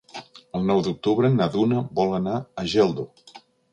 El nou d'octubre na Duna vol anar a Geldo.